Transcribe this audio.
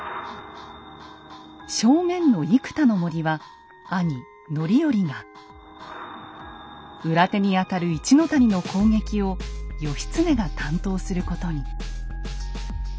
正面の生田の森は兄・範頼が裏手にあたる一の谷の攻撃を義経が担当することに。